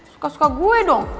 suka suka gue dong